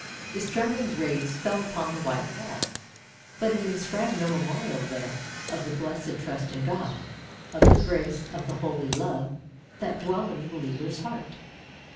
Its trembling rays fell upon the white wall, but it inscribed no memorial there of the blessed trust in God, of the grace, of the holy love, that dwell in the believer's heart.